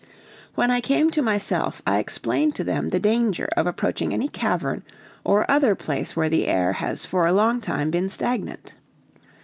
When I came to myself I explained to them the danger of approaching any cavern or other place where the air has for a long time been stagnant.